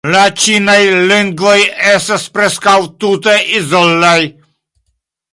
La ĉinaj lingvoj estas preskaŭ tute izolaj.